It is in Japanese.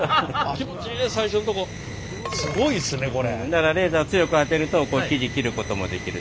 だからレーザー強く当てると生地切ることもできる。